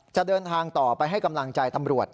จะเดินทางต่อไปให้กำลังใจตำรวจ